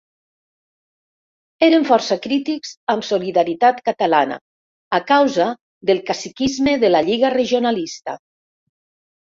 Eren força crítics amb Solidaritat Catalana a causa del caciquisme de la Lliga Regionalista.